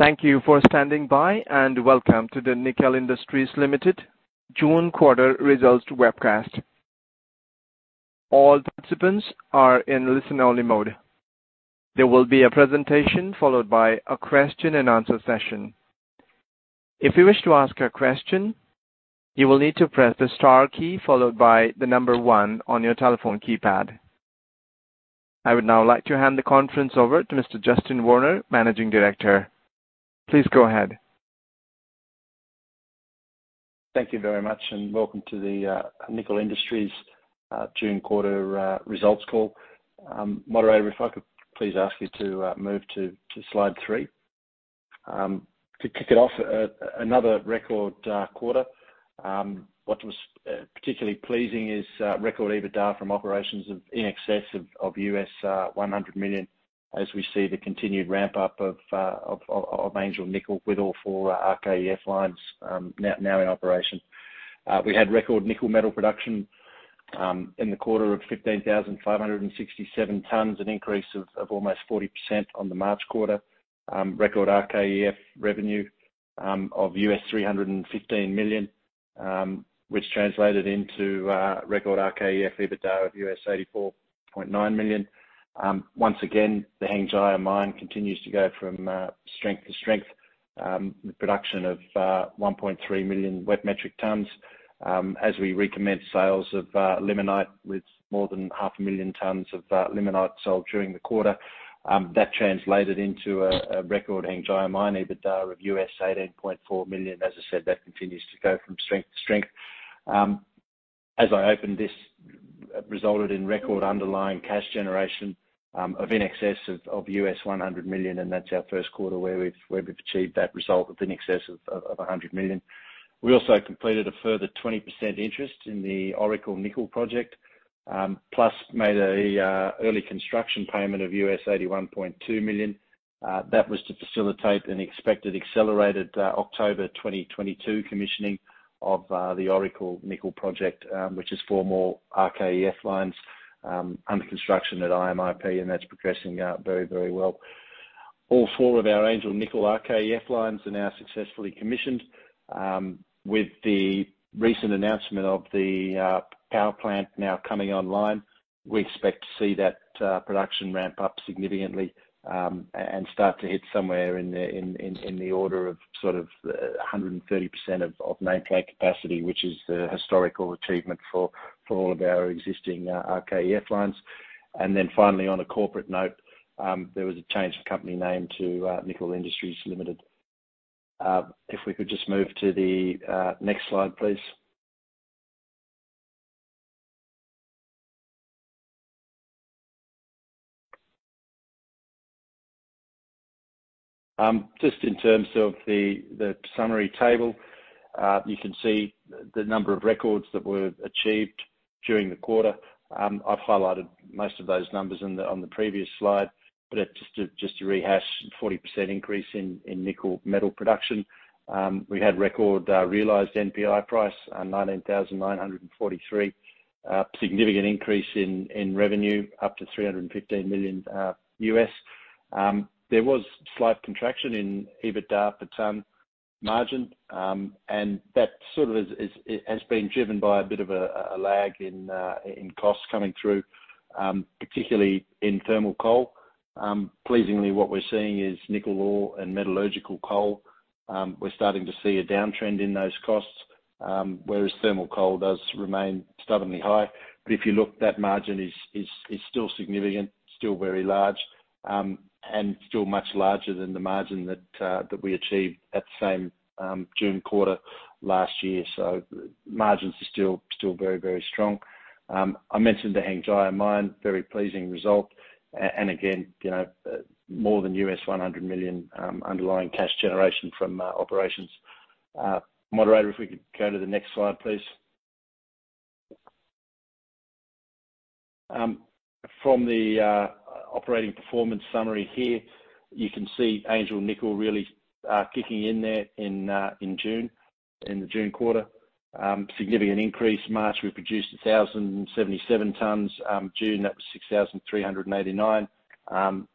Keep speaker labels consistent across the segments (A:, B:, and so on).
A: Thank you for standing by, and welcome to the Nickel Industries Limited June quarter results webcast. All participants are in listen only mode. There will be a presentation followed by a question and answer session. If you wish to ask a question, you will need to press the star key followed by the number one on your telephone keypad. I would now like to hand the conference over to Mr. Justin Werner, Managing Director. Please go ahead.
B: Thank you very much, and welcome to the Nickel Industries June quarter results call. Moderator, if I could please ask you to move to slide three. To kick it off, another record quarter. What was particularly pleasing is record EBITDA from operations of in excess of $100 million, as we see the continued ramp up of Angel Nickel with all four RKEF lines now in operation. We had record nickel metal production in the quarter of 15,567 tons, an increase of almost 40% on the March quarter. Record RKEF revenue of $315 million, which translated into record RKEF EBITDA of $84.9 million. Once again, the Hengjaya Mine continues to go from strength to strength. The production of 1.3 million wet metric tons, as we recommence sales of limonite with more than 500,000 tons of limonite sold during the quarter. That translated into a record Hengjaya Mine EBITDA of $18.4 million. As I said, that continues to go from strength to strength. As I opened this, resulted in record underlying cash generation of in excess of $100 million, and that's our Q1 where we've achieved that result of in excess of 100 million. We also completed a further 20% interest in the Oracle Nickel Project, plus made an early construction payment of $81.2 million. That was to facilitate an expected accelerated October 2022 commissioning of the Oracle Nickel Project, which is for more RKEF lines under construction at IMIP, and that's progressing very, very well. All four of our Angel Nickel RKEF lines are now successfully commissioned. With the recent announcement of the power plant now coming online, we expect to see that production ramp up significantly, and start to hit somewhere in the order of sort of 130% of nameplate capacity, which is the historical achievement for all of our existing RKEF lines. Finally, on a corporate note, there was a change of company name to Nickel Industries Limited. If we could just move to the next slide, please. Just in terms of the summary table, you can see the number of records that were achieved during the quarter. I've highlighted most of those numbers on the previous slide, but just to rehash 40% increase in nickel metal production. We had record realized NPI price, 19,943. Significant increase in revenue, up to $315 million. There was slight contraction in EBITDA per ton margin. That sort of it has been driven by a bit of a lag in costs coming through, particularly in thermal coal. Pleasingly, what we're seeing is nickel ore and metallurgical coal. We're starting to see a downtrend in those costs, whereas thermal coal does remain stubbornly high. If you look, that margin is still significant, still very large, and still much larger than the margin that we achieved that same June quarter last year. Margins are still very strong. I mentioned the Hengjaya Mine, very pleasing result. And again, you know, more than $100 million underlying cash generation from operations. Moderator, if we could go to the next slide, please. From the operating performance summary here, you can see Angel Nickel really kicking in there in June, in the June quarter. Significant increase. March, we produced 1,077 tons. June, that was 6,389 tons.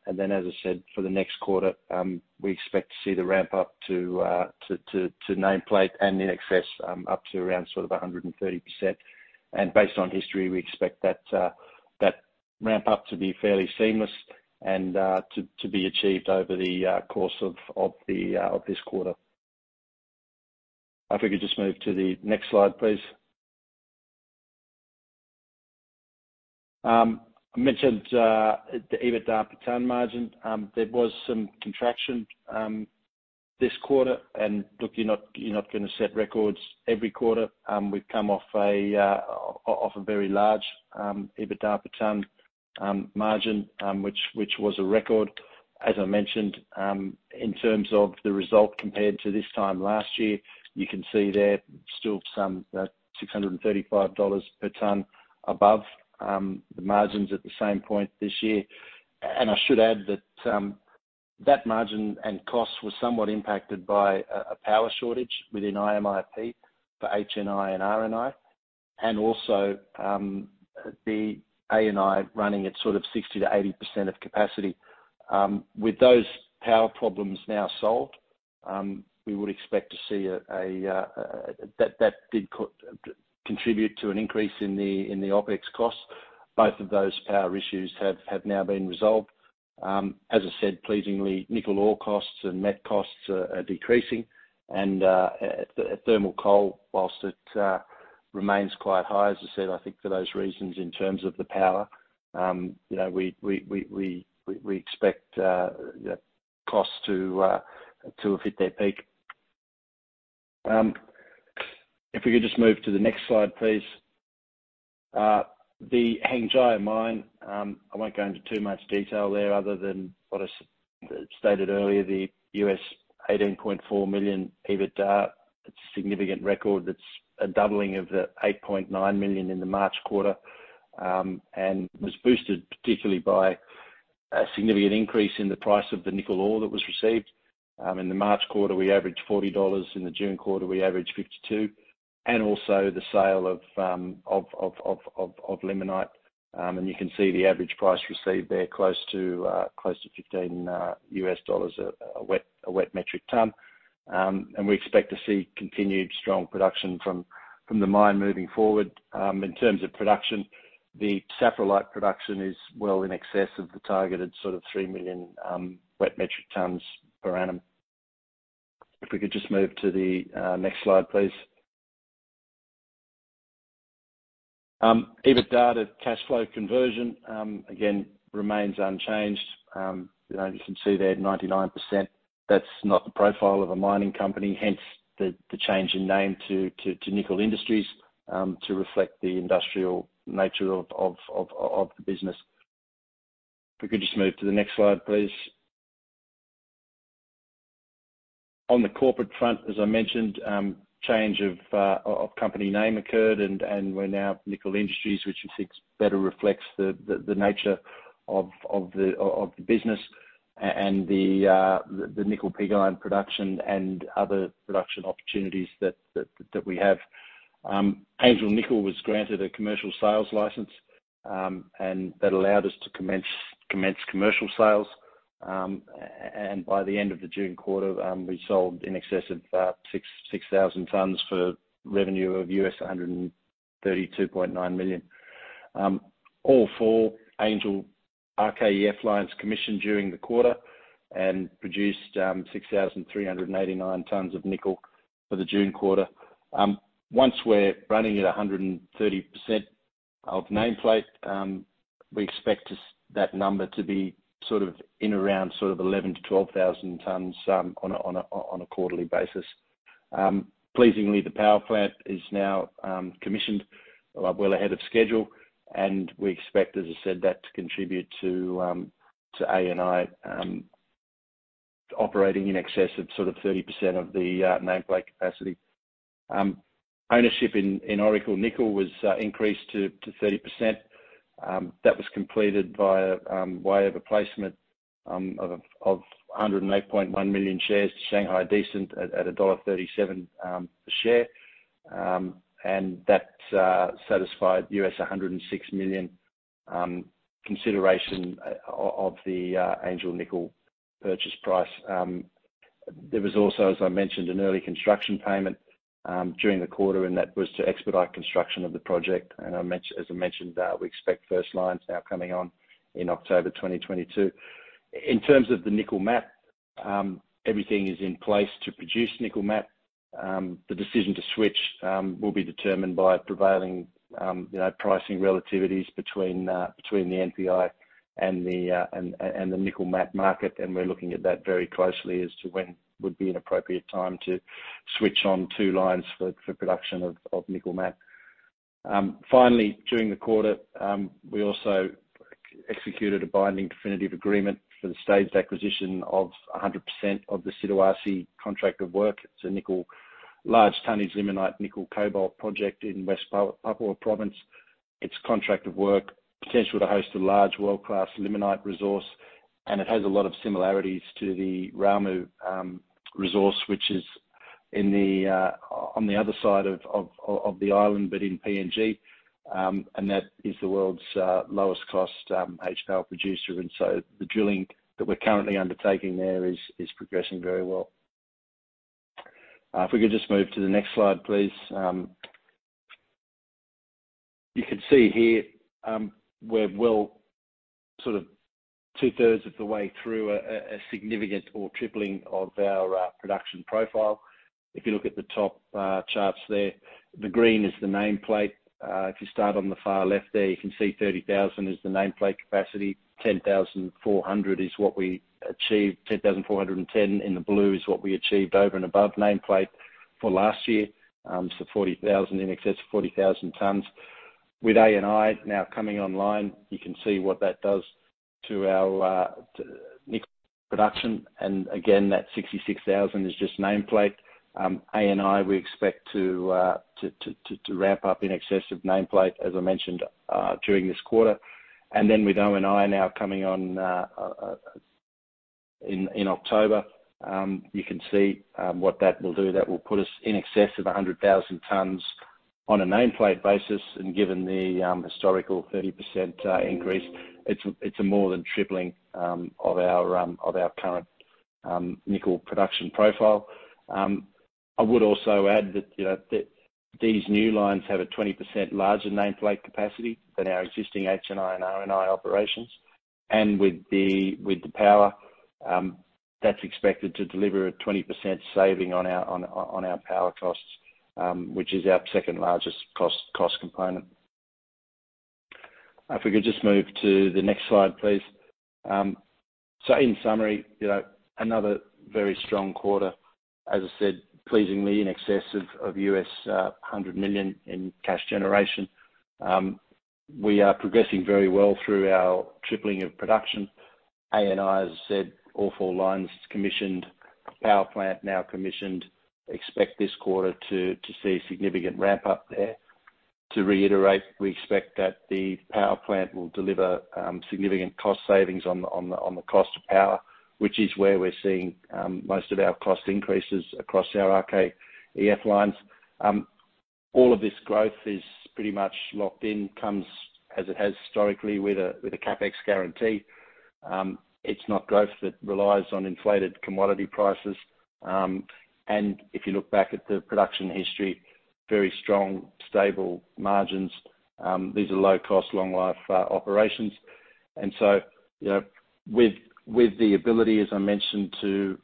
B: As I said, for the next quarter, we expect to see the ramp up to nameplate and in excess up to around 130%. Based on history, we expect that ramp up to be fairly seamless and to be achieved over the course of this quarter. If we could just move to the next slide, please. I mentioned the EBITDA per ton margin. There was some contraction this quarter. Look, you're not gonna set records every quarter. We've come off a very large EBITDA per ton margin, which was a record. As I mentioned, in terms of the result compared to this time last year, you can see there's still some $635 per ton above the margins at the same point this year. I should add that that margin and costs were somewhat impacted by a power shortage within IMIP for HNI and RNI. Also, the A&I running at sort of 60%-80% of capacity. With those power problems now solved, we would expect to see that that did contribute to an increase in the OpEx costs. Both of those power issues have now been resolved. As I said, pleasingly, nickel ore costs and met costs are decreasing. Thermal coal, while it remains quite high, as I said, I think for those reasons in terms of the power, you know, we expect costs to have hit their peak. If we could just move to the next slide, please. The Hengjaya Mine, I won't go into too much detail there other than what I stated earlier, the $18.4 million EBITDA. It's a significant record. That's a doubling of the $8.9 million in the March quarter, and was boosted particularly by a significant increase in the price of the nickel ore that was received. In the March quarter, we averaged $40, in the June quarter, we averaged $52. Also the sale of limonite. You can see the average price received there, close to $15 a wet metric ton. We expect to see continued strong production from the mine moving forward. In terms of production, the saprolite production is well in excess of the targeted sort of three million wet metric tons per annum. If we could just move to the next slide, please. EBITDA to cash flow conversion again remains unchanged. You know, you can see there at 99%, that's not the profile of a mining company, hence the change in name to Nickel Industries to reflect the industrial nature of the business. If we could just move to the next slide, please. On the corporate front, as I mentioned, change of company name occurred and we're now Nickel Industries, which we think better reflects the nature of the business and the Nickel Pig Iron production and other production opportunities that we have. Angel Nickel was granted a commercial sales license, and that allowed us to commence commercial sales. By the end of the June quarter, we sold in excess of 6,000 tons for revenue of $132.9 million. All four Angel RKEF lines commissioned during the quarter and produced 6,389 tons of nickel for the June quarter. Once we're running at 130% of nameplate, we expect that number to be sort of in around sort of 11,000-12,000 tons on a quarterly basis. Pleasingly, the power plant is now commissioned well ahead of schedule, and we expect, as I said, that to contribute to A&I operating in excess of sort of 30% of the nameplate capacity. Ownership in Oracle Nickel was increased to 30%. That was completed by way of a placement of 108.1 million shares to Shanghai Decent at AUD 1.37 per share. That satisfied $106 million consideration of the Angel Nickel purchase price. There was also, as I mentioned, an early construction payment during the quarter, and that was to expedite construction of the project. As I mentioned, we expect first lines now coming on in October 2022. In terms of the nickel matte, everything is in place to produce nickel matte. The decision to switch will be determined by prevailing, you know, pricing relativities between the NPI and the nickel matte market. We're looking at that very closely as to when would be an appropriate time to switch on two lines for production of nickel matte. Finally, during the quarter, we also executed a binding definitive agreement for the staged acquisition of 100% of the Siduarsi Contract of Work. It's a nickel large tonnage limonite nickel cobalt project in West Papua province. It's contract of work, potential to host a large world-class limonite resource, and it has a lot of similarities to the Ramu resource, which is on the other side of the island, but in PNG. That is the world's lowest cost HPAL producer. The drilling that we're currently undertaking there is progressing very well. If we could just move to the next slide, please. You can see here, we're well sort of two-thirds of the way through a significant ore tripling of our production profile. If you look at the top charts there, the green is the nameplate. If you start on the far left there, you can see 30,000 is the nameplate capacity. 10,400 is what we achieved. 10,410 in the blue is what we achieved over and above nameplate for last year. 40,000, in excess of 40,000 tons. With A&I now coming online, you can see what that does to our nickel production. Again, that 66,000 is just nameplate. A&I, we expect to ramp up in excess of nameplate, as I mentioned, during this quarter. Then with O&I now coming on in October. You can see what that will do. That will put us in excess of 100,000 tons on a nameplate basis. Given the historical 30% increase, it's a more than tripling of our current nickel production profile. I would also add that, you know, that these new lines have a 20% larger nameplate capacity than our existing HNI and RNI operations. With the power, that's expected to deliver a 20% saving on our power costs, which is our second largest cost component. If we could just move to the next slide, please. In summary, you know, another very strong quarter, as I said, pleasingly in excess of $100 million in cash generation. We are progressing very well through our tripling of production. A&I, as I said, all four lines commissioned. Power plant now commissioned. Expect this quarter to see significant ramp up there. To reiterate, we expect that the power plant will deliver significant cost savings on the cost of power, which is where we're seeing most of our cost increases across our RKEF lines. All of this growth is pretty much locked in, comes as it has historically with a CapEx guarantee. It's not growth that relies on inflated commodity prices. If you look back at the production history, very strong, stable margins. These are low-cost, long-life operations. You know, with the ability, as I mentioned, to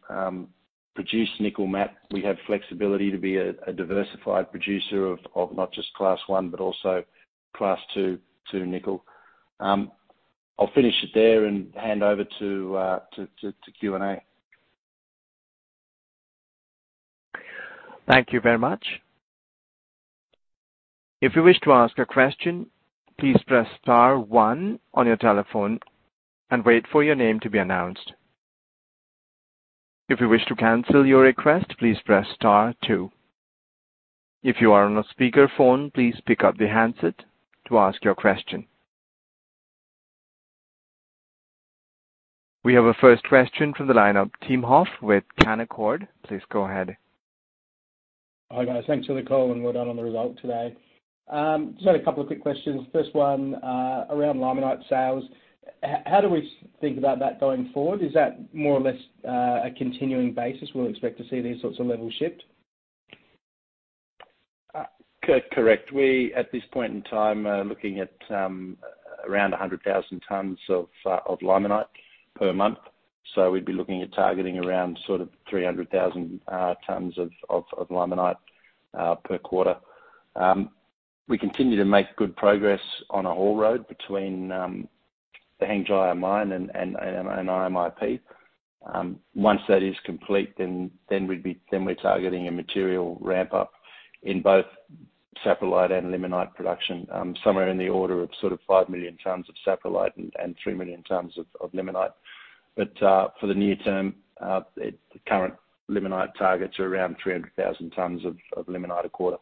B: produce nickel matte, we have flexibility to be a diversified producer of not just class one but also class two nickel. I'll finish it there and hand over to Q&A.
A: Thank you very much. If you wish to ask a question, please press star one on your telephone and wait for your name to be announced. If you wish to cancel your request, please press star two. If you are on a speaker phone, please pick up the handset to ask your question. We have a first question from the line of Tim Hoff with Canaccord Genuity. Please go ahead.
C: Hi, guys. Thanks for the call, and well done on the result today. Just had a couple of quick questions. First one, around limonite sales. How do we think about that going forward? Is that more or less, a continuing basis, we'll expect to see these sorts of levels shipped?
B: Correct. We, at this point in time, are looking at around 100,000 tons of limonite per month. We'd be looking at targeting around sort of 300,000 tons of limonite per quarter. We continue to make good progress on a haul road between the Hengjaya Mine and IMIP. Once that is complete, then we're targeting a material ramp up in both saprolite and limonite production, somewhere in the order of sort of five million tons of saprolite and three million tons of limonite. For the near term, the current limonite targets are around 300,000 tons of limonite a quarter.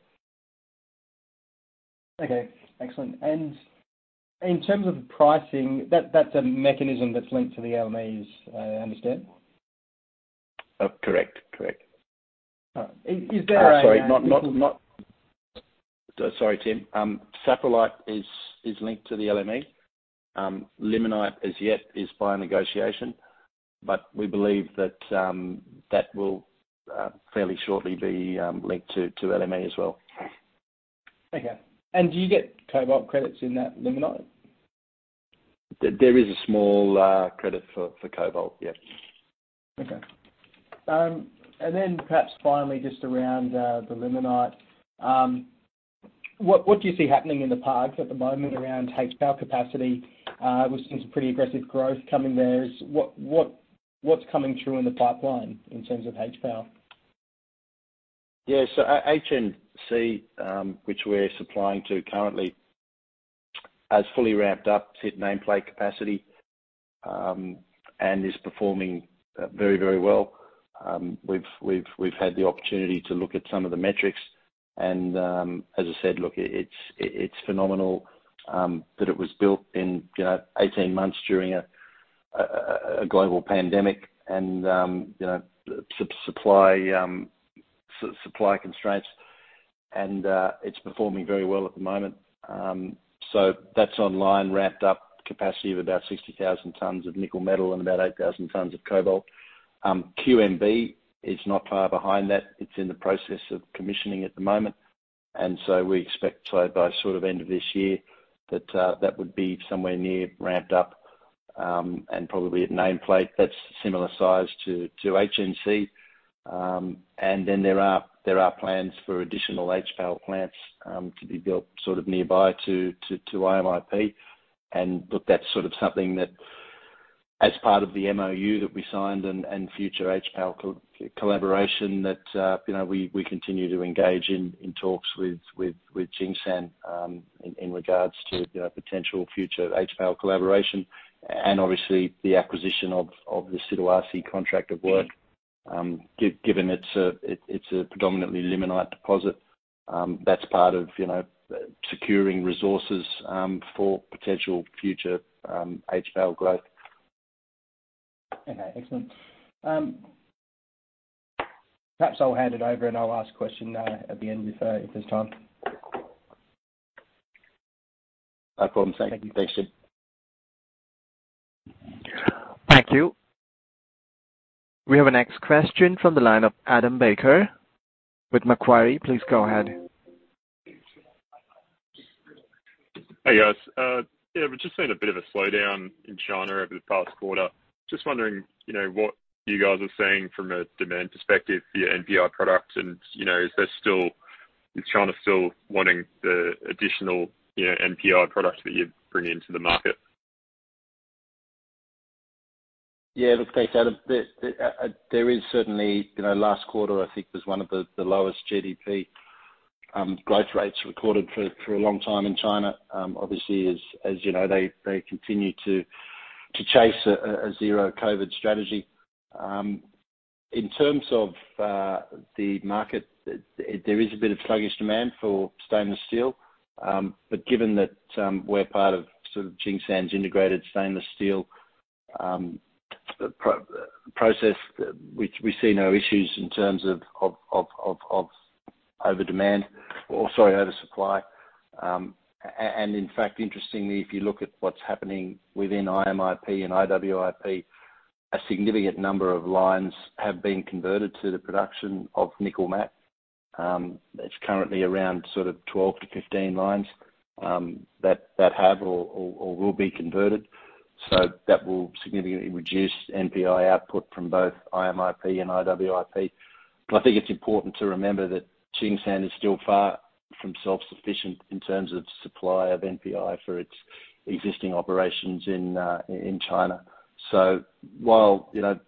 C: Okay. Excellent. In terms of pricing, that's a mechanism that's linked to the LME, I understand?
B: Correct.
C: All right. Is there a-
B: Sorry, Tim. Saprolite is linked to the LME. Limonite as yet is by negotiation. We believe that will fairly shortly be linked to LME as well.
C: Okay. Do you get cobalt credits in that limonite?
B: There is a small credit for cobalt, yeah.
C: Okay. Perhaps finally, just around the limonite. What do you see happening in the parks at the moment around HPAL capacity? We've seen some pretty aggressive growth coming there. What's coming through in the pipeline in terms of HPAL?
B: Yeah. HNC, which we're supplying to currently, has fully ramped up to nameplate capacity and is performing very, very well. We've had the opportunity to look at some of the metrics. As I said, look, it's phenomenal that it was built in, you know, 18 months during a global pandemic and, you know, supply constraints. It's performing very well at the moment. That's online ramped up capacity of about 60,000 tons of nickel metal and about 8,000 tons of cobalt. QMB is not far behind that. It's in the process of commissioning at the moment. We expect by sort of end of this year that that would be somewhere near ramped up and probably at nameplate that's similar size to HNC. There are plans for additional HPAL plants to be built sort of nearby to IMIP. Look, that's sort of something that as part of the MoU that we signed and future HPAL collaboration that you know, we continue to engage in talks with Tsingshan in regards to potential future HPAL collaboration and obviously the acquisition of the Siduarsi contract of work. Given it's a predominantly limonite deposit, that's part of you know, securing resources for potential future HPAL growth.
C: Okay. Excellent. Perhaps I'll hand it over and I'll ask questions at the end if there's time.
B: No problem.
C: Thank you.
B: Thanks.
A: Thank you. We have our next question from the line of Adam Baker with Macquarie. Please go ahead.
D: Hey, guys. Yeah, we've just seen a bit of a slowdown in China over the past quarter. Just wondering, you know, what you guys are seeing from a demand perspective via NPI products and, you know, is China still wanting the additional, you know, NPI products that you're bringing to the market?
B: Yeah. Look, thanks, Adam. There is certainly you know, last quarter I think was one of the lowest GDP growth rates recorded for a long time in China. Obviously as you know, they continue to chase a zero-COVID strategy. In terms of the market, there is a bit of sluggish demand for stainless steel. Given that, we're part of sort of Tsingshan's integrated stainless steel process, we see no issues in terms of over-demand or sorry, oversupply. In fact, interestingly, if you look at what's happening within IMIP and IWIP, a significant number of lines have been converted to the production of nickel matte. It's currently around sort of 12-15 lines that have or will be converted. That will significantly reduce NPI output from both IMIP and IWIP. I think it's important to remember that Tsingshan is still far from self-sufficient in terms of supply of NPI for its existing operations in China. While, you know,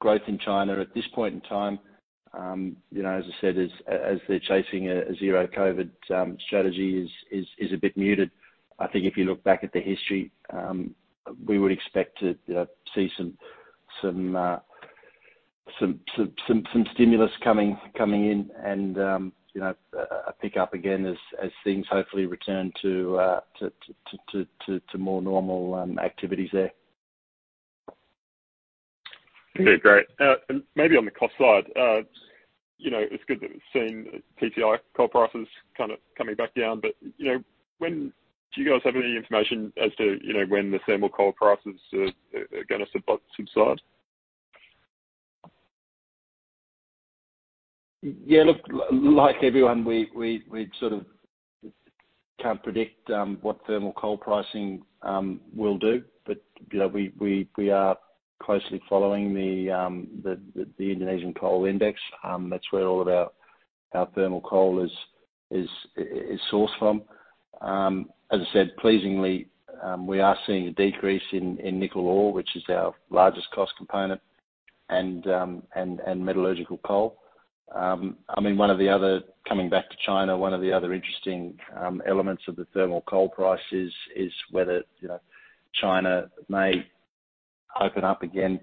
B: growth in China at this point in time, you know, as I said, as they're chasing a zero-COVID strategy is a bit muted. I think if you look back at the history, we would expect to see some stimulus coming in and, you know, a pick up again as things hopefully return to more normal activities there.
D: Okay. Great. Maybe on the cost side, you know, it's good that we've seen TTI coal prices kind of coming back down, but you know, do you guys have any information as to, you know, when the thermal coal prices are gonna subside?
B: Yeah. Look, like everyone, we sort of can't predict what thermal coal pricing will do. You know, we are closely following the Indonesian coal index. That's where all of our thermal coal is sourced from. As I said, pleasingly, we are seeing a decrease in nickel ore, which is our largest cost component and metallurgical coal. I mean, coming back to China, one of the other interesting elements of the thermal coal price is whether, you know, China may open up again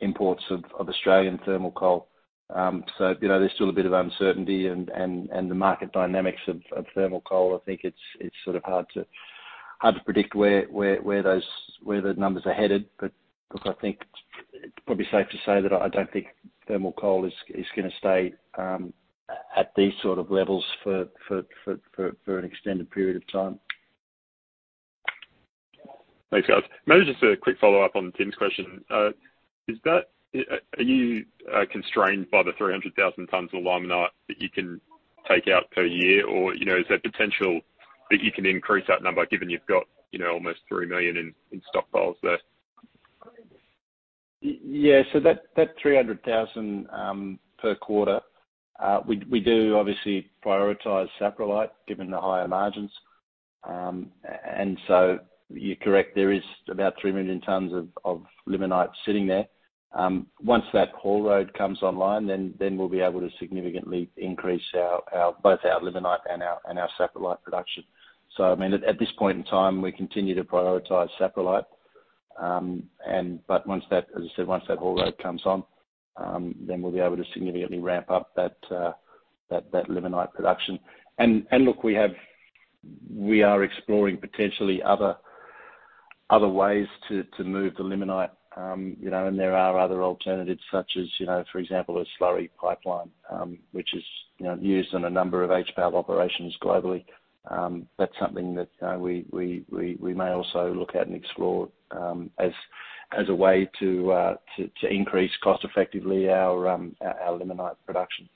B: imports of Australian thermal coal. You know, there's still a bit of uncertainty and the market dynamics of thermal coal. I think it's sort of hard to predict where the numbers are headed. Look, I think it's probably safe to say that I don't think thermal coal is gonna stay at these sort of levels for an extended period of time.
D: Thanks, guys. Maybe just a quick follow-up on Tim's question. Are you constrained by the 300,000 tons of limonite that you can take out per year? Or, you know, is there potential that you can increase that number given you've got, you know, almost three million in stockpiles there?
B: Yeah. That 300,000 per quarter, we do obviously prioritize saprolite, given the higher margins. You're correct, there is about three million tons of limonite sitting there. Once that haul road comes online, then we'll be able to significantly increase both our limonite and our saprolite production. I mean, at this point in time, we continue to prioritize saprolite. As I said, once that haul road comes on, then we'll be able to significantly ramp up that limonite production. Look, we are exploring potentially other ways to move the limonite. You know, there are other alternatives such as, you know, for example, a slurry pipeline, which is, you know, used on a number of HPAL operations globally. That's something that we may also look at and explore, as a way to increase cost-effectively our limonite production.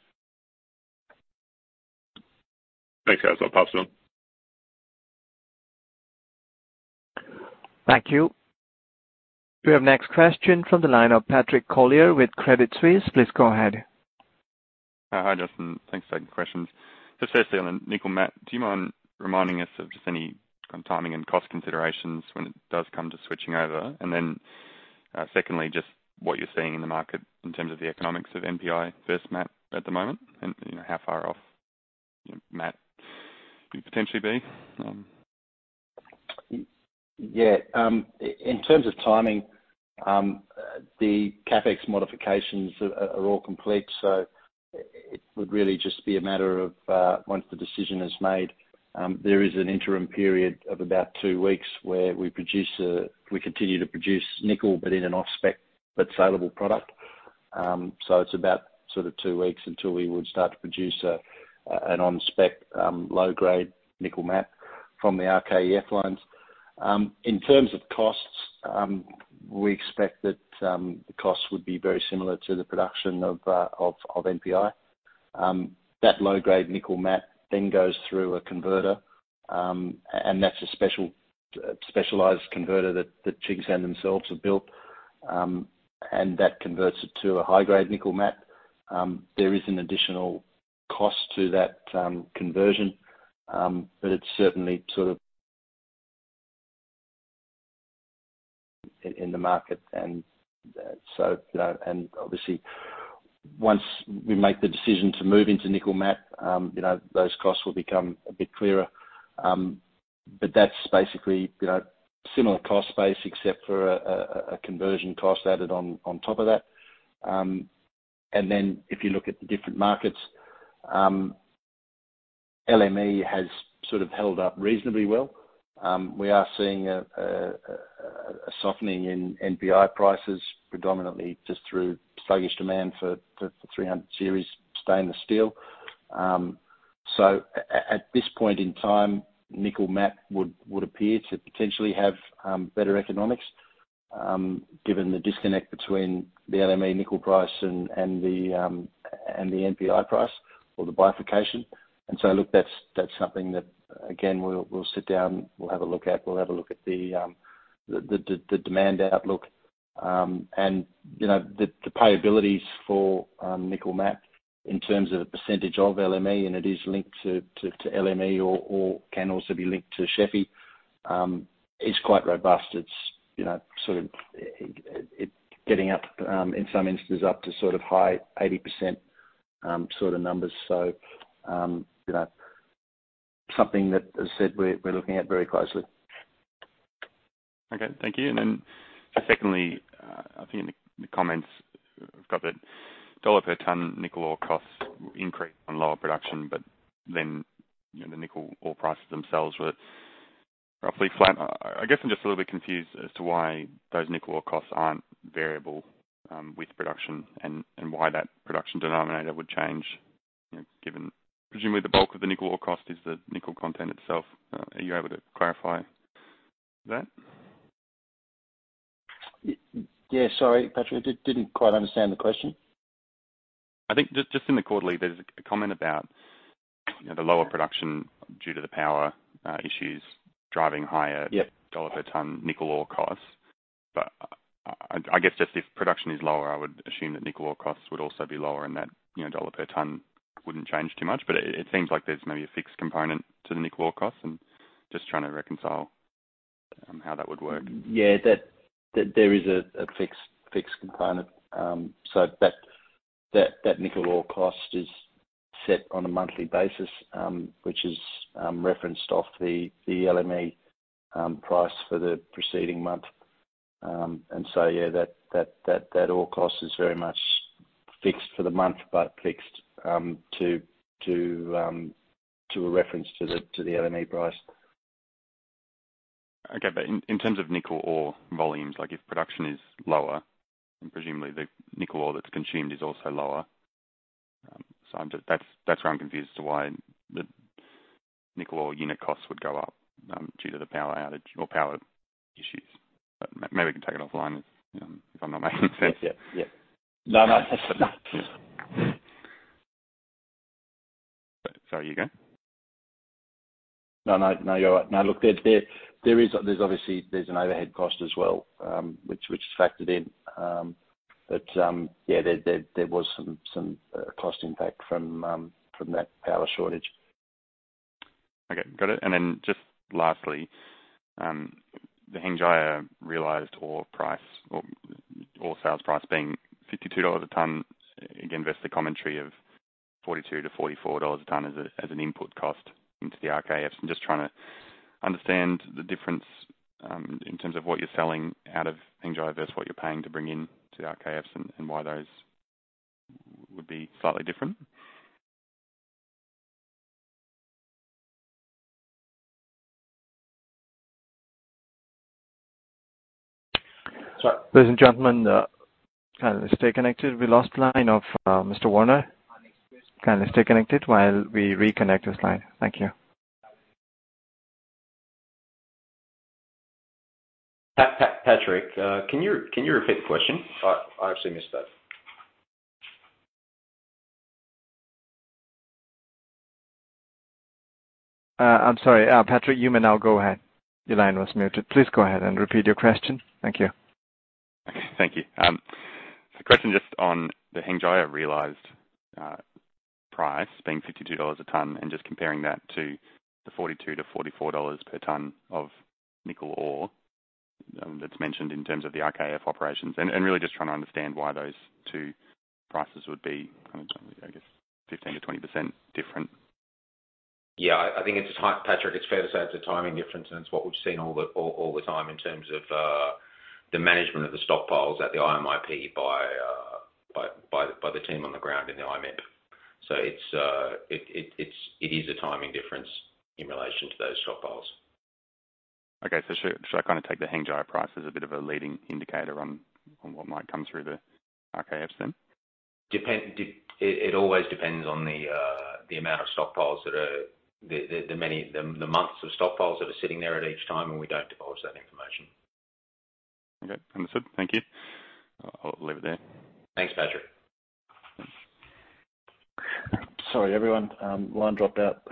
D: Thanks, guys. I'll pass it on.
A: Thank you. We have next question from the line of Patrick Collier with Credit Suisse. Please go ahead.
E: Hi. Hi, Justin. Thanks for taking the questions. Just firstly on nickel matte, do you mind reminding us of just any kind of timing and cost considerations when it does come to switching over? Then, secondly, just what you're seeing in the market in terms of the economics of NPI versus mat at the moment and, you know, how far off mat could potentially be?
B: Yeah. In terms of timing, the CapEx modifications are all complete, so it would really just be a matter of once the decision is made, there is an interim period of about two weeks where we continue to produce nickel, but in an off-spec but saleable product. It's about sort of two weeks until we would start to produce an on-spec low-grade nickel matte from the RKEF lines. In terms of costs, we expect that the costs would be very similar to the production of NPI. That low-grade nickel matte then goes through a converter, and that's a special specialized converter that Tsingshan themselves have built, and that converts it to a high-grade nickel matte. There is an additional cost to that conversion, but it's certainly sort of in the market, so you know, obviously once we make the decision to move into nickel matte, you know, those costs will become a bit clearer. But that's basically, you know, similar cost base except for a conversion cost added on top of that. Then if you look at the different markets, LME has sort of held up reasonably well. We are seeing a softening in NPI prices predominantly just through sluggish demand for 300 series stainless steel. At this point in time, nickel matte would appear to potentially have better economics, given the disconnect between the LME nickel price and the NPI price or the bifurcation. Look, that's something that again, we'll sit down, we'll have a look at. We'll have a look at the demand outlook, and you know, the payability for nickel matte in terms of the percentage of LME, and it is linked to LME or can also be linked to SHFE, is quite robust. It's you know sort of getting up in some instances up to sort of high 80%, sort of numbers. You know, something that, as I said, we're looking at very closely.
E: Okay. Thank you. Secondly, I think in the comments we've got that dollar per ton nickel ore costs increased on lower production, but then, you know, the nickel ore prices themselves were roughly flat. I guess I'm just a little bit confused as to why those nickel ore costs aren't variable with production and why that production denominator would change, you know, given presumably the bulk of the nickel ore cost is the nickel content itself. Are you able to clarify that?
B: Yeah, sorry, Patrick. I didn't quite understand the question.
E: I think just in the quarterly, there's a comment about, you know, the lower production due to the power issues driving higher.
B: Yeah.
E: Dollar per ton nickel ore costs. I guess just if production is lower, I would assume that nickel ore costs would also be lower and that dollar per ton wouldn't change too much. It seems like there's maybe a fixed component to the nickel ore costs, and just trying to reconcile how that would work.
B: Yeah. That there is a fixed component. So that nickel ore cost is set on a monthly basis, which is referenced off the LME price for the preceding month. Yeah, that ore cost is very much fixed for the month, but fixed to a reference to the LME price.
E: Okay. In terms of nickel ore volumes, like if production is lower, then presumably the nickel ore that's consumed is also lower. That's why I'm confused as to why the nickel ore unit costs would go up due to the power outage or power issues. Maybe we can take it offline if I'm not making sense.
B: Yeah. Yeah. No, no.
E: Sorry, you go.
B: No, you're right. No. Look, there is, there's obviously an overhead cost as well, which is factored in. Yeah, there was some cost impact from that power shortage.
E: Okay. Got it. Just lastly, the Hengjaya realized ore price or ore sales price being $52 a ton, again, investor commentary of $42-$44 a ton as an input cost into the RKEFs. I'm just trying to understand the difference in terms of what you're selling out of Hengjaya versus what you're paying to bring in to the RKEFs and why those would be slightly different.
B: So-
A: Ladies and gentlemen, kindly stay connected. We lost line of Mr. Werner. Kindly stay connected while we reconnect his line. Thank you.
B: Patrick, can you repeat the question? I've actually missed that.
A: I'm sorry. Patrick, you may now go ahead. Your line was muted. Please go ahead and repeat your question. Thank you.
E: Okay. Thank you. The question just on the Hengjaya realized price being $52 a ton and just comparing that to the $42-$44 per ton of nickel ore. That's mentioned in terms of the RKEF operations. Really just trying to understand why those two prices would be kind of, I guess, 15%-20% different.
F: Yeah. I think, Patrick, it's fair to say it's a timing difference, and it's what we've seen all the time in terms of the management of the stockpiles at the IMIP by the team on the ground in the IMIP. It is a timing difference in relation to those stockpiles.
E: Okay. Should I kinda take the Hengjaya price as a bit of a leading indicator on what might come through the RKEF, then?
F: It always depends on the amount of stockpiles that the months of stockpiles that are sitting there at each time, and we don't divulge that information.
E: Okay. Understood. Thank you. I'll leave it there.
F: Thanks, Patrick.
B: Sorry, everyone, line dropped out.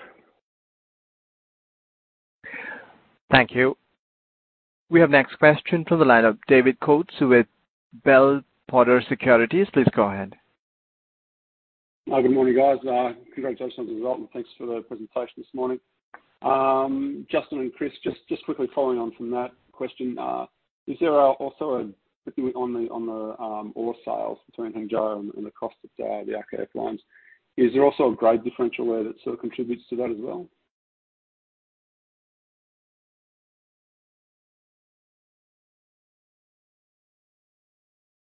A: Thank you. We have next question from the line of David Coates with Bell Potter Securities. Please go ahead.
G: Good morning, guys. Congratulations on the result, and thanks for the presentation this morning. Justin and Chris, just quickly following on from that question, is there also particularly on the ore sales between Hengjaya and the cost of the RKEF lines. Is there also a grade differential there that sort of contributes to that as well?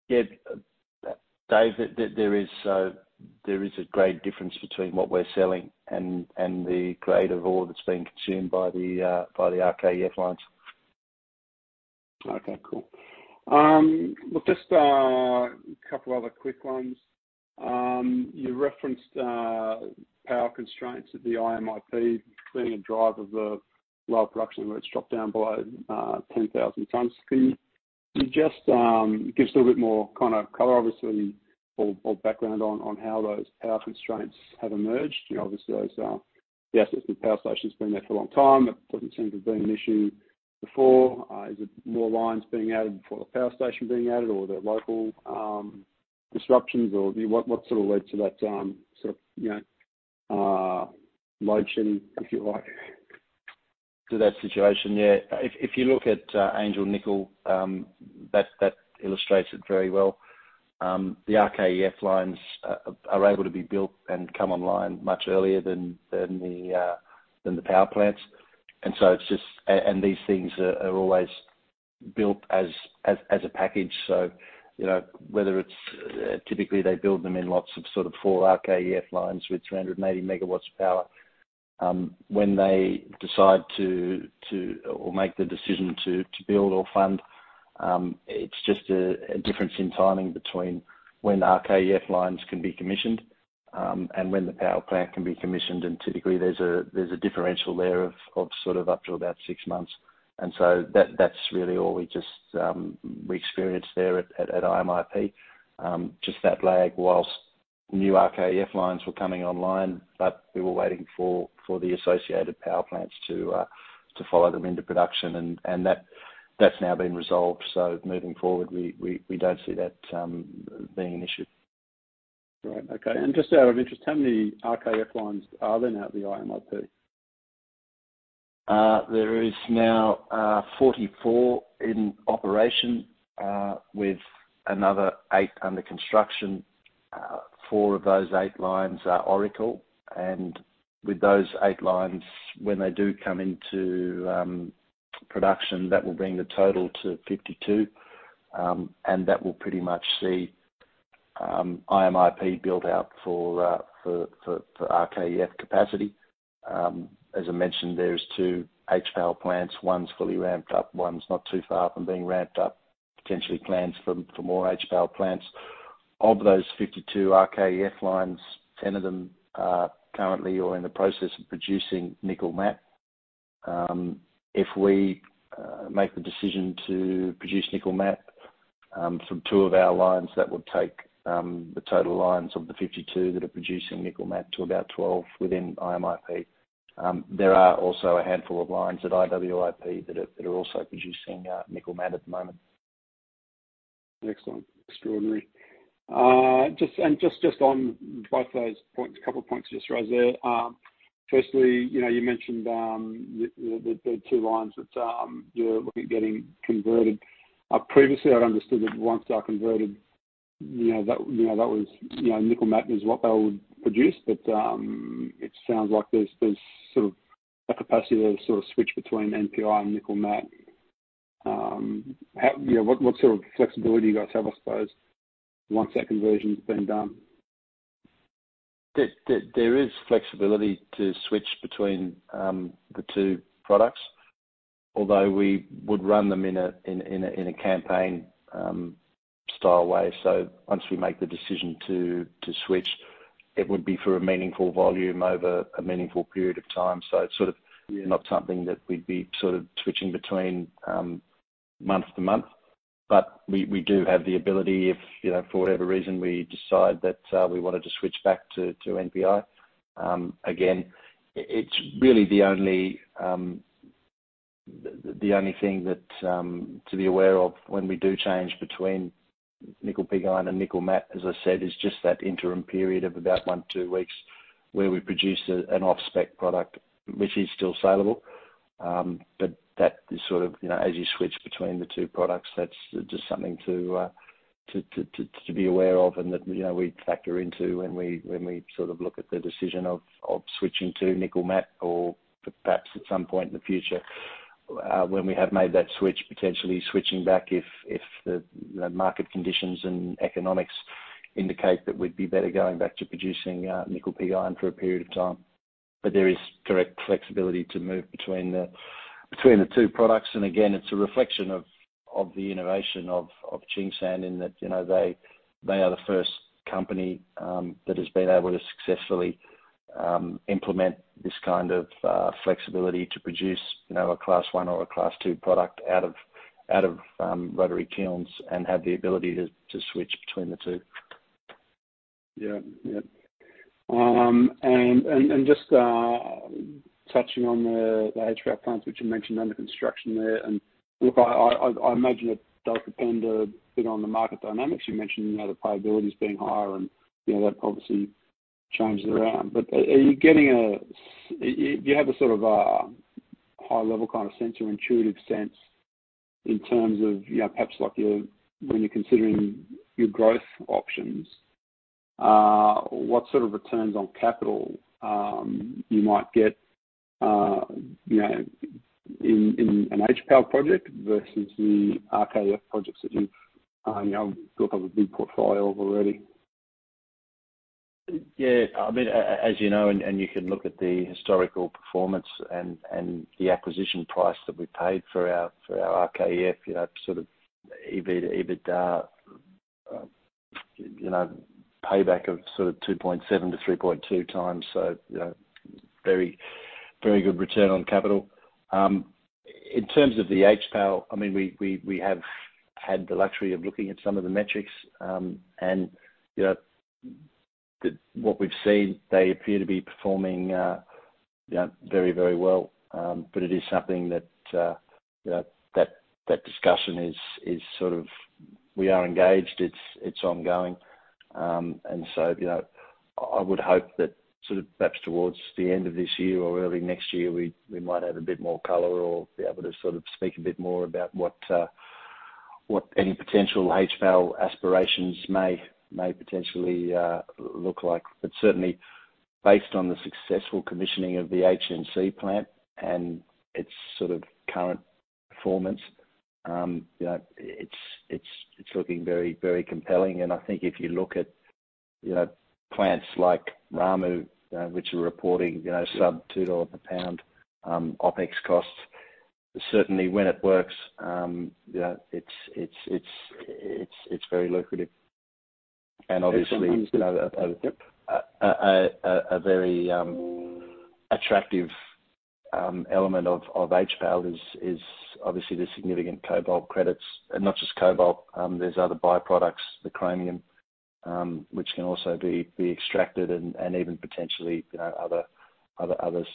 B: Yeah, Dave, there is a great difference between what we're selling and the grade of ore that's being consumed by the RKEF lines.
G: Okay, cool. Look, just a couple other quick ones. You referenced power constraints at the IMIP being a driver of the lower production, where it's dropped down below 10,000 tons. Can you just give us a little bit more kinda color, obviously, or background on how those power constraints have emerged? You know, obviously those the assets and power stations been there for a long time. It doesn't seem to have been an issue before. Is it more lines being added before the power station being added or are there local disruptions or what sort of led to that sort of, you know, notion, if you like?
B: To that situation, yeah. If you look at Angel Nickel, that illustrates it very well. The RKEF lines are able to be built and come online much earlier than the power plants. It's just and these things are always built as a package. You know, whether it's typically, they build them in lots of sort of four RKEF lines with 380 megawatts of power. When they decide to or make the decision to build or fund, it's just a difference in timing between when RKEF lines can be commissioned and when the power plant can be commissioned. Typically, there's a differential there of sort of up to about six months. That's really all we just experienced there at IMIP, just that lag while new RKEF lines were coming online, but we were waiting for the associated power plants to follow them into production. That's now been resolved. Moving forward, we don't see that being an issue.
G: Right. Okay. Just out of interest, how many RKEF lines are there now at the IMIP?
B: There is now 44 in operation, with another eight under construction. Four of those four lines are Oracle. With those eight lines, when they do come into production, that will bring the total to 52, and that will pretty much see IMIP build out for RKEF capacity. As I mentioned, there's two HPAL plants. One's fully ramped up, one's not too far from being ramped up, potentially plans for more HPAL plants. Of those 52 RKEF lines, 10 of them are currently or in the process of producing nickel matte. If we make the decision to produce nickel matte from two of our lines, that would take the total lines of the 52 that are producing nickel matte to about 12 within IMIP. There are also a handful of lines at IWIP that are also producing nickel matte at the moment.
G: Excellent. Extraordinary. Just on both of those points, a couple points you just raised there. Firstly, you know, you mentioned the two lines that you're looking at getting converted. Previously, I'd understood that once they are converted, you know, that nickel matte is what they would produce. But it sounds like there's sort of a capacity to sort of switch between NPI and nickel matte. How, you know, what sort of flexibility do you guys have, I suppose, once that conversion's been done?
B: There is flexibility to switch between the two products, although we would run them in a campaign style way. Once we make the decision to switch, it would be for a meaningful volume over a meaningful period of time. It's sort of-
G: Yeah
B: Not something that we'd be sort of switching between month to month. We do have the ability if, you know, for whatever reason, we decide that we wanted to switch back to NPI. It's really the only thing that to be aware of when we do change between Nickel Pig Iron and nickel matte, as I said, is just that interim period of about one-two weeks where we produced an off-spec product, which is still sellable. That is sort of, you know, as you switch between the two products, that's just something to be aware of and that, you know, we factor into when we sort of look at the decision of switching to nickel matte or perhaps at some point in the future, when we have made that switch, potentially switching back if the market conditions and economics indicate that we'd be better going back to producing Nickel Pig Iron for a period of time. There is direct flexibility to move between the two products. It's a reflection of the innovation of Tsingshan in that, you know, they are the first company that has been able to successfully implement this kind of flexibility to produce, you know, a Class one or a Class two product out of rotary kilns and have the ability to switch between the two.
G: Yeah. Yeah. Just touching on the HPAL plants, which you mentioned under construction there. Look, I imagine it does depend a bit on the market dynamics. You mentioned, you know, the viabilities being higher and, you know, that obviously changes around. But do you have a sort of high level kind of sense or intuitive sense in terms of, you know, perhaps like your, when you're considering your growth options, what sort of returns on capital you might get, you know, in an HPAL project versus the RKEF projects that you know, built up a big portfolio of already?
B: Yeah. I mean, as you know, and you can look at the historical performance and the acquisition price that we paid for our RKEF, you know, sort of EBITDA, you know, payback of sort of 2.7x-3.2x. You know, very good return on capital. In terms of the HPAL, I mean, we have had the luxury of looking at some of the metrics, and you know, what we've seen, they appear to be performing, you know, very well. But it is something that, you know, that discussion is sort of we are engaged. It's ongoing. You know, I would hope that sort of perhaps towards the end of this year or early next year, we might have a bit more color or be able to sort of speak a bit more about what any potential HPAL aspirations may potentially look like. But certainly based on the successful commissioning of the HNC plant and its sort of current performance, you know, it's looking very, very compelling. I think if you look at plants like Ramu, which are reporting sub-$2 a pound OpEx costs, certainly when it works, you know, it's very lucrative. Obviously you know, a very attractive element of HPAL is obviously the significant cobalt credits. Not just cobalt, there's other byproducts, the chromium, which can also be extracted and even potentially, you know, other others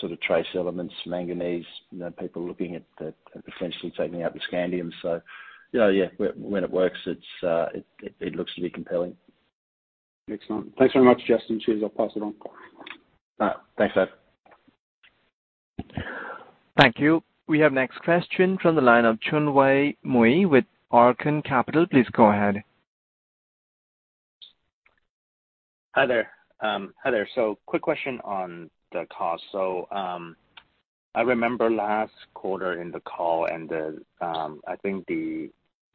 B: sort of trace elements, manganese. You know, people are looking at potentially taking out the scandium. You know, yeah, when it works, it looks to be compelling.
G: Excellent. Thanks very much, Justin. Cheers. I'll pass it on.
B: All right. Thanks, Ed.
A: Thank you. We have next question from the line of [Chun Wei Mui] with Arkkan Capital. Please go ahead.
H: Hi there. Quick question on the cost. I remember last quarter in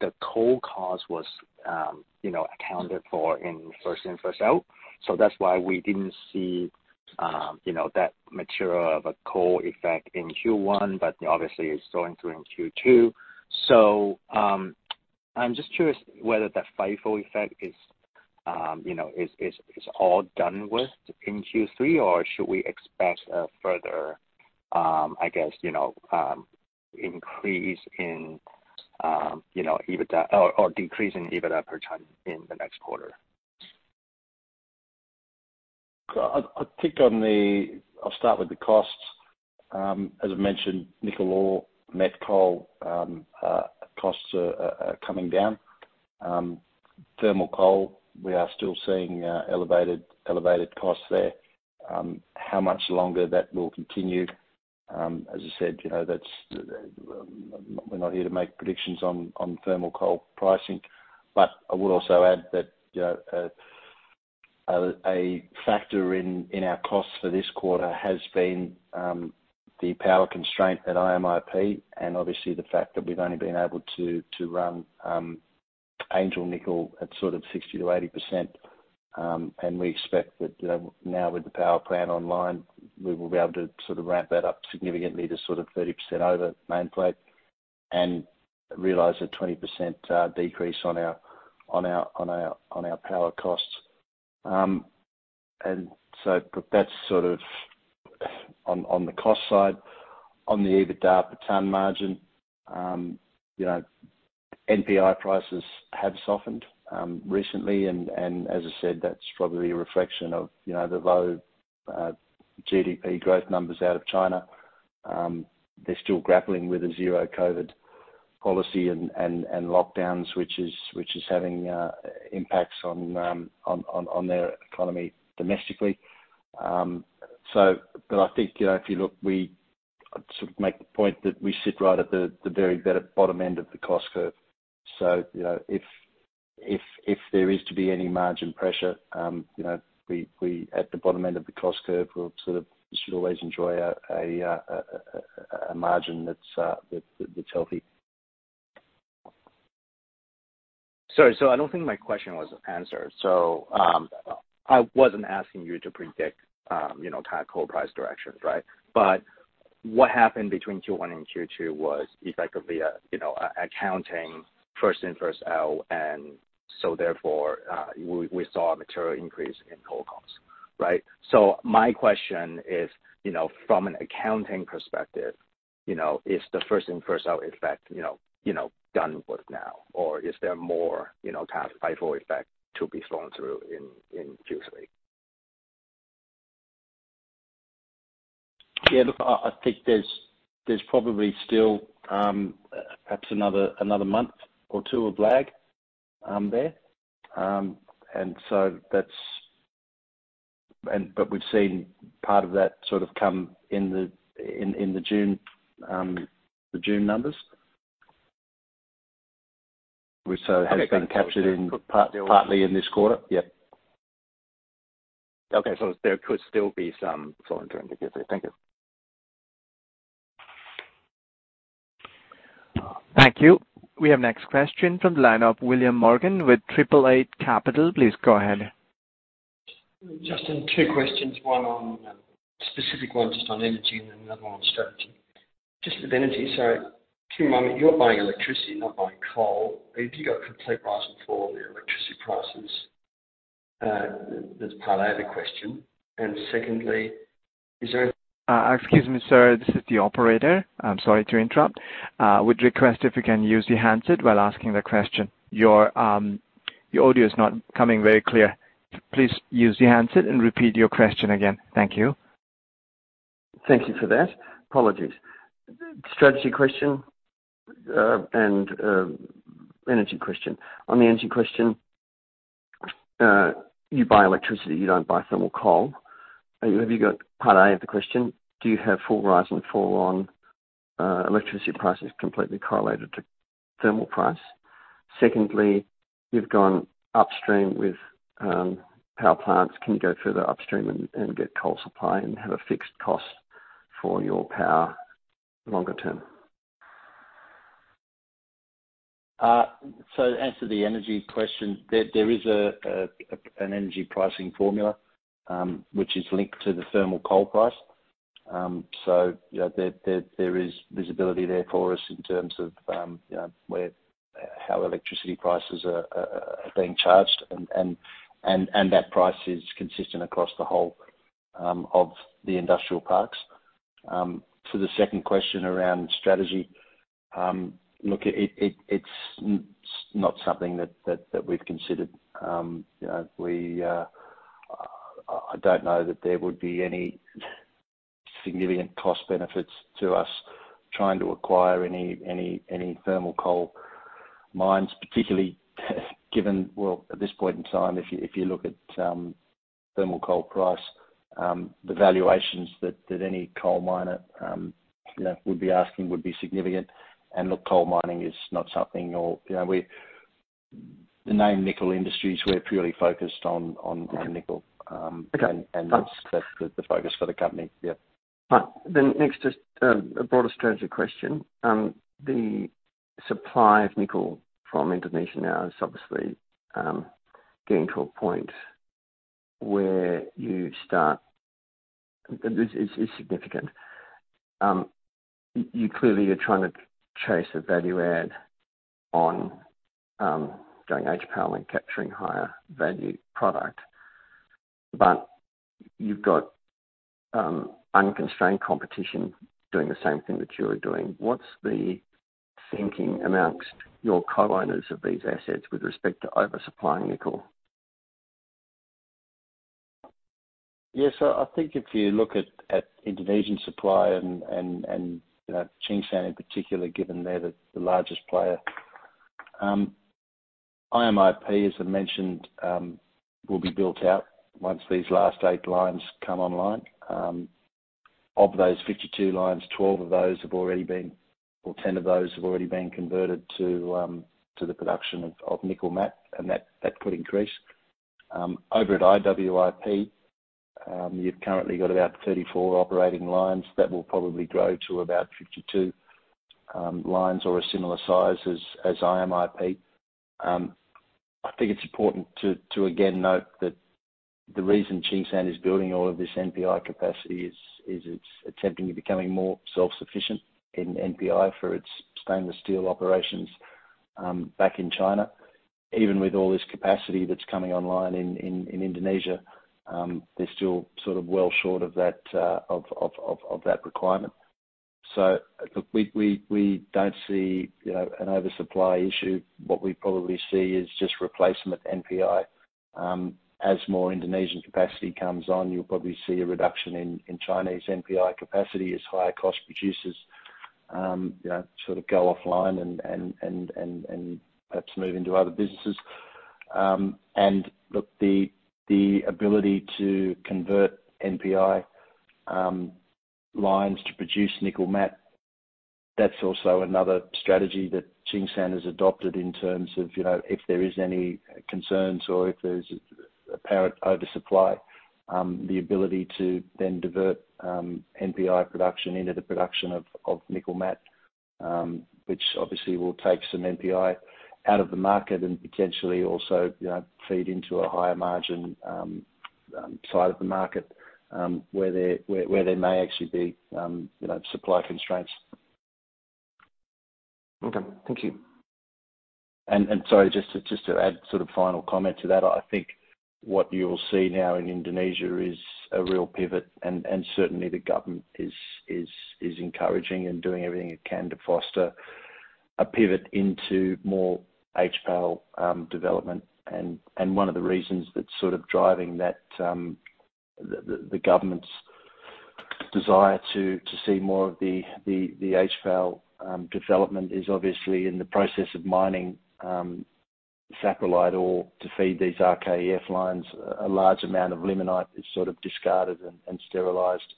H: the call and the, I think the coal cost was, you know, accounted for in first in, first out. That's why we didn't see, you know, that magnitude of a coal effect in Q1, but obviously it's going through in Q2. I'm just curious whether the FIFO effect is, you know, all done with in Q3, or should we expect a further, I guess, you know, increase in, you know, EBITDA or decrease in EBITDA per ton in the next quarter?
B: I'll start with the costs. As I mentioned, nickel ore, met coal, costs are coming down. Thermal coal, we are still seeing elevated costs there. How much longer that will continue, as I said, you know, that's, we're not here to make predictions on thermal coal pricing. I would also add that, you know, a factor in our costs for this quarter has been the power constraint at IMIP, and obviously the fact that we've only been able to run Angel Nickel at sort of 60%-80%. We expect that now with the power plant online, we will be able to sort of ramp that up significantly to sort of 30% over nameplate and realize a 20% decrease on our power costs. But that's sort of on the cost side. On the EBITDA per ton margin, NPI prices have softened recently. As I said, that's probably a reflection of, you know, the low GDP growth numbers out of China. They're still grappling with a zero-COVID policy and lockdowns, which is having impacts on their economy domestically. I think, you know, if you look, we sort of make the point that we sit right at the very bottom end of the cost curve. You know, if there is to be any margin pressure, you know, we at the bottom end of the cost curve will sort of should always enjoy a margin that's healthy.
H: Sorry. I don't think my question was answered. I wasn't asking you to predict, you know, kind of coal price directions, right? What happened between Q1 and Q2 was effectively a, you know, an accounting first in, first out. Therefore, we saw a material increase in coal costs, right? My question is, you know, from an accounting perspective, you know, is the first-in, first-out effect, you know, you know, done with now or is there more, you know, kind of FIFO effect to be flowing through in Q3?
B: Yeah. Look, I think there's probably still perhaps another month or two of lag there. We've seen part of that sort of come in the June numbers. We saw it has been captured in part, partly in this quarter. Yeah.
H: Okay. There could still be some flow through in the Q3. Thank you.
A: Thank you. We have next question from the line of William Morgan with Triple Eight Capital. Please go ahead.
I: Justin, two questions, one specific one just on energy and another one on strategy. Just with energy, to remind me, you're buying electricity, not buying coal. Have you got complete rise and fall on your electricity prices? That's part A of the question. Secondly, is there-
A: Excuse me, sir, this is the operator. I'm sorry to interrupt. Would request if you can use your handset while asking the question. Your audio is not coming very clear. Please use the handset and repeat your question again. Thank you.
I: Thank you for that. Apologies. Strategy question and energy question. On the energy question, you buy electricity, you don't buy thermal coal. Have you got part A of the question, do you have full rise and fall on electricity prices completely correlated to thermal price? Secondly, you've gone upstream with power plants. Can you go further upstream and get coal supply and have a fixed cost for your power longer term?
B: To answer the energy question, there is an energy pricing formula, which is linked to the thermal coal price. You know, there is visibility there for us in terms of, you know, where, how electricity prices are being charged and that price is consistent across the whole of the industrial parks. To the second question around strategy, look, it's not something that we've considered. You know, I don't know that there would be any significant cost benefits to us trying to acquire any thermal coal mines, particularly given. Well, at this point in time, if you look at thermal coal price, the valuations that any coal miner, you know, would be asking would be significant. Look, coal mining is not something. You know, the name Nickel Industries, we're purely focused on nickel.
I: Okay.
B: That's the focus for the company. Yeah.
I: Right. Next, just a broader strategy question. The supply of nickel from Indonesia now is obviously getting to a point where it is significant. You clearly are trying to chase the value add on doing HPAL and capturing higher value product, but you've got unconstrained competition doing the same thing that you are doing. What's the thinking among your co-owners of these assets with respect to oversupplying nickel?
B: Yeah. I think if you look at Indonesian supply and, you know, Tsingshan in particular, given they're the largest player, IMIP, as I mentioned, will be built out once these last eight lines come online. Of those 52 lines, 10 of those have already been converted to the production of nickel matte, and that could increase. Over at IWIP, you've currently got about 34 operating lines. That will probably grow to about 52 lines or a similar size as IMIP. I think it's important to again note that the reason Tsingshan is building all of this NPI capacity is it's attempting to become more self-sufficient in NPI for its stainless steel operations back in China. Even with all this capacity that's coming online in Indonesia, they're still sort of well short of that requirement. Look, we don't see, you know, an oversupply issue. What we probably see is just replacement NPI, as more Indonesian capacity comes on, you'll probably see a reduction in Chinese NPI capacity as higher cost producers, you know, sort of go offline and perhaps move into other businesses. Look, the ability to convert NPI lines to produce nickel matte, that's also another strategy that Tsingshan has adopted in terms of, you know, if there is any concerns or if there's apparent oversupply, the ability to then divert NPI production into the production of nickel matte, which obviously will take some NPI out of the market and potentially also, you know, feed into a higher margin side of the market, where there may actually be, you know, supply constraints.
I: Okay. Thank you.
B: Just to add sort of final comment to that, I think what you'll see now in Indonesia is a real pivot, and certainly the government is encouraging and doing everything it can to foster a pivot into more HPAL development. One of the reasons that's sort of driving that, the government's desire to see more of the HPAL development is obviously in the process of mining, saprolite ore to feed these RKEF lines. A large amount of limonite is sort of discarded and sterilized.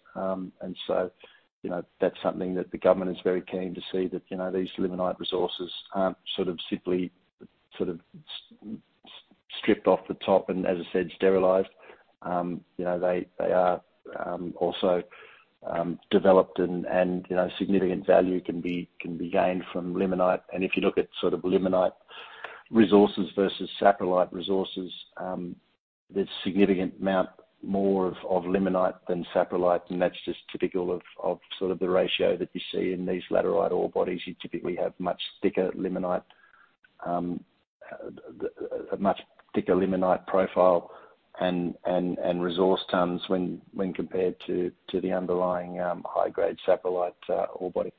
B: You know, that's something that the government is very keen to see that, you know, these limonite resources aren't sort of simply, sort of stripped off the top and, as I said, sterilized. You know, they are also developed and you know, significant value can be gained from limonite. If you look at sort of limonite resources versus saprolite resources, there's significant amount more of limonite than saprolite, and that's just typical of sort of the ratio that you see in these laterite ore bodies. You typically have much thicker limonite, a much thicker limonite profile and resource tons when compared to the underlying high-grade saprolite ore body.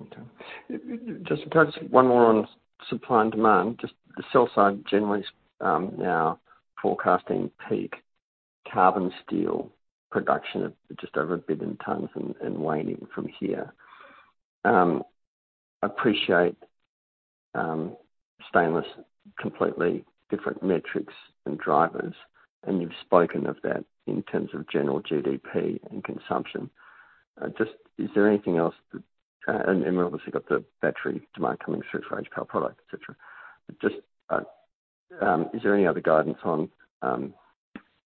I: Okay. Just perhaps one more on supply and demand. Just the sell side generally is now forecasting peak carbon steel production at just over a billion tons and waning from here. Appreciate stainless completely different metrics and drivers, and you've spoken of that in terms of general GDP and consumption. Just, is there anything else that, and then we've obviously got the battery demand coming through for HPAL product, et cetera. Just, is there any other guidance on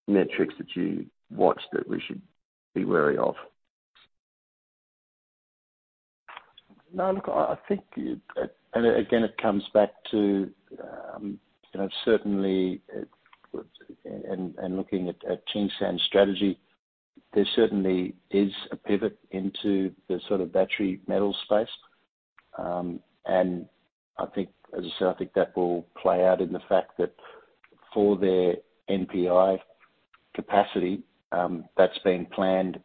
I: metrics that you watch that we should be wary of?
B: No, look, I think, and again, it comes back to, you know, certainly, and looking at Tsingshan's strategy, there certainly is a pivot into the sort of battery metal space. I think, as I said, I think that will play out in the fact that for their NPI capacity, that's been planned.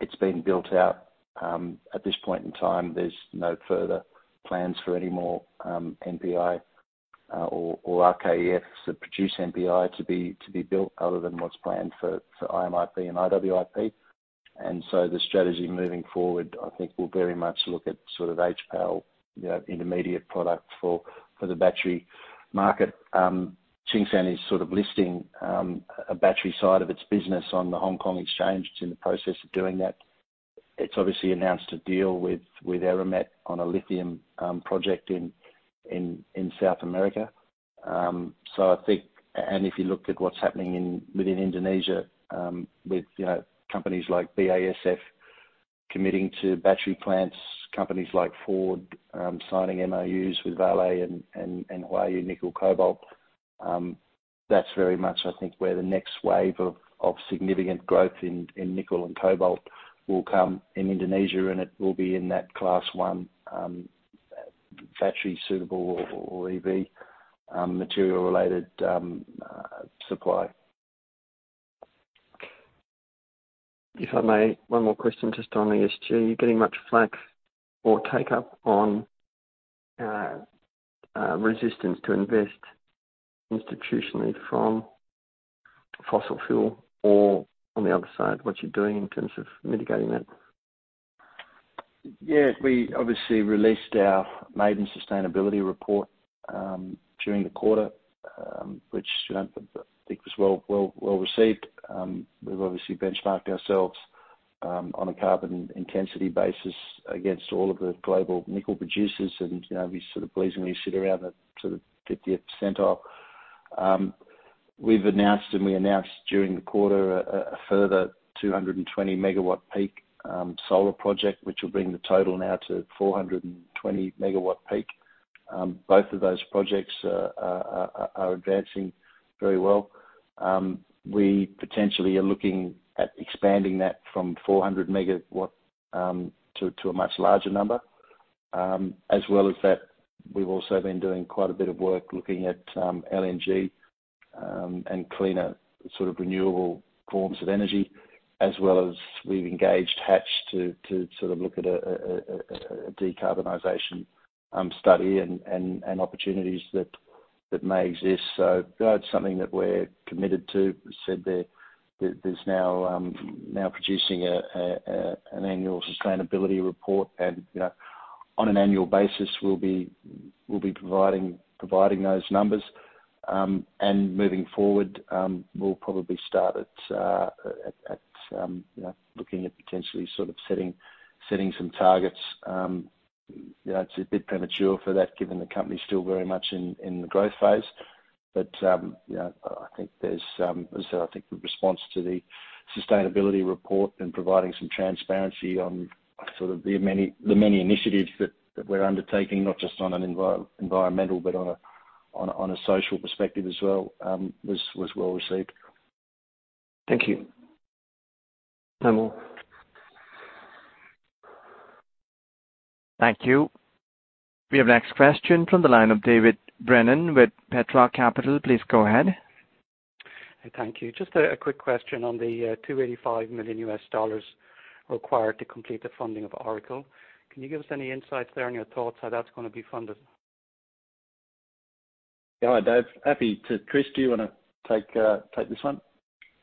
B: It's been built out. At this point in time, there's no further plans for any more NPI or RKEFs that produce NPI to be built other than what's planned for IMIP and IWIP. The strategy moving forward, I think will very much look at sort of HPAL, you know, intermediate product for the battery market. Tsingshan is sort of listing a battery side of its business on the Hong Kong Exchanges and Clearing. It's in the process of doing that. It's obviously announced a deal with Eramet on a lithium project in South America. I think if you looked at what's happening within Indonesia with you know companies like BASF committing to battery plants companies like Ford signing MOUs with Vale and Huayou Nickel Cobalt that's very much I think where the next wave of significant growth in nickel and cobalt will come in Indonesia and it will be in that Class one battery suitable or EV material related supply.
I: If I may, one more question just on ESG. Are you getting much flak or take-up on resistance to invest institutionally from fossil fuel? Or on the other side, what you're doing in terms of mitigating that?
B: Yeah. We obviously released our maiden sustainability report during the quarter, which, you know, I think was well received. We've obviously benchmarked ourselves on a carbon intensity basis against all of the global nickel producers. You know, we sort of pleasingly sit around the sort of 50th percentile. We've announced during the quarter a further 220MW peak solar project, which will bring the total now to 420MW peak. Both of those projects are advancing very well. We potentially are looking at expanding that from 400MW to a much larger number. As well as that, we've also been doing quite a bit of work looking at LNG and cleaner sort of renewable forms of energy, as well as we've engaged Hatch to sort of look at a decarbonization study and opportunities that may exist. That's something that we're committed to. That said, we're now producing an annual sustainability report and, you know, on an annual basis, we'll be providing those numbers. Moving forward, we'll probably start, you know, looking at potentially sort of setting some targets. You know, it's a bit premature for that, given the company is still very much in the growth phase. You know, I think there's, as I think the response to the sustainability report and providing some transparency on sort of the many initiatives that we're undertaking, not just on an environmental, but on a social perspective as well, was well received.
I: Thank you. No more.
A: Thank you. We have our next question from the line of David Brennan with Petra Capital. Please go ahead.
J: Thank you. Just a quick question on the $285 million required to complete the funding of Oracle. Can you give us any insights there on your thoughts how that's gonna be funded?
B: Chris, do you wanna take this one?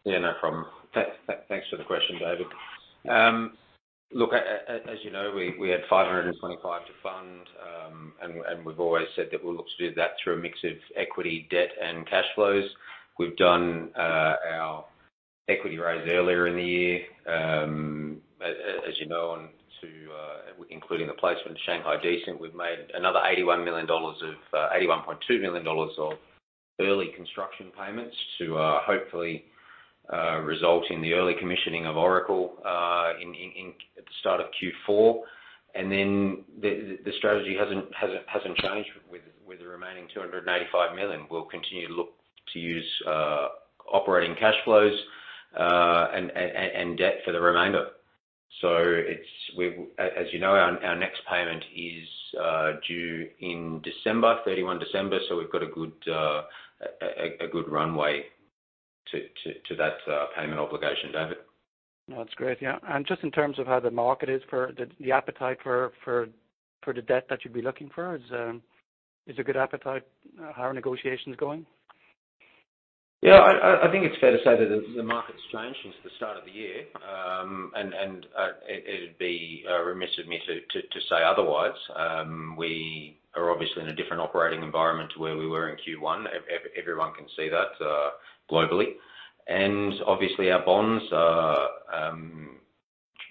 F: Yeah, no problem. Thanks for the question, David. Look, as you know, we had $525 million to fund, and we've always said that we'll look to do that through a mix of equity, debt and cash flows. We've done our equity raise earlier in the year. As you know, including the placement to Shanghai Decent, we've made another $81.2 million of early construction payments to hopefully result in the early commissioning of Oracle in the start of Q4. The strategy hasn't changed with the remaining $285 million. We'll continue to look to use operating cash flows and debt for the remainder. As you know, our next payment is due in December 31, so we've got a good runway to that payment obligation, David.
J: No, that's great. Yeah. Just in terms of how the market is for the appetite for the debt that you'd be looking for. Is there good appetite? How are negotiations going?
F: Yeah, I think it's fair to say that the market's changed since the start of the year. It'd be remiss of me to say otherwise. We are obviously in a different operating environment to where we were in Q1. Everyone can see that globally. Obviously, our bonds are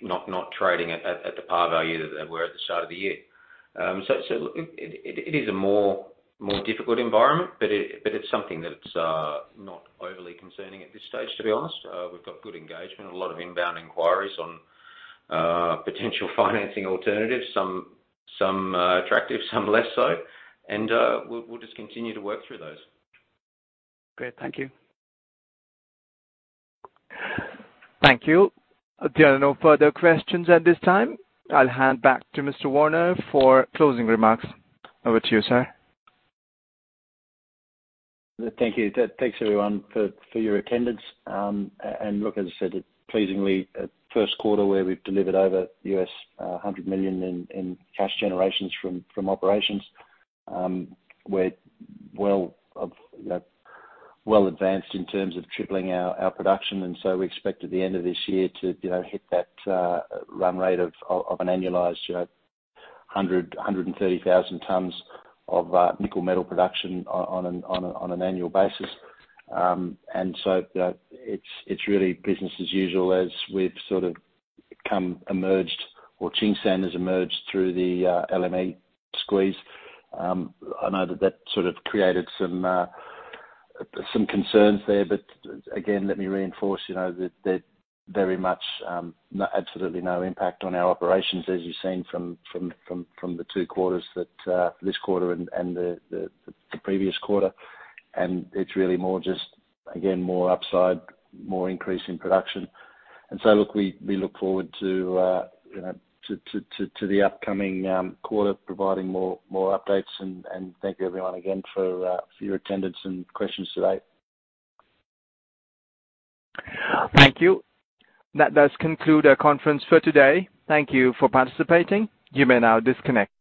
F: not trading at the par value that they were at the start of the year. It is a more difficult environment, but it's something that's not overly concerning at this stage, to be honest. We've got good engagement, a lot of inbound inquiries on potential financing alternatives. Some attractive, some less so. We'll just continue to work through those.
J: Great. Thank you.
A: Thank you. There are no further questions at this time. I'll hand back to Mr. Werner for closing remarks. Over to you, sir.
B: Thank you. Thanks everyone for your attendance. Look, as I said, pleasingly at first quarter, where we've delivered over $100 million in cash generation from operations. We're well advanced in terms of tripling our production, and we expect at the end of this year to hit that run rate of an annualized 130,000 tons of nickel metal production on an annual basis. It's really business as usual as we've sort of emerged or Tsingshan has emerged through the LME squeeze. I know that sort of created some concerns there. Again, let me reinforce, you know, that there very much absolutely no impact on our operations as you've seen from the two quarters that this quarter and the previous quarter. It's really more just again more upside, more increase in production. Look, we look forward to you know to the upcoming quarter providing more updates. Thank you everyone again for your attendance and questions today.
A: Thank you. That does conclude our conference for today. Thank you for participating. You may now disconnect.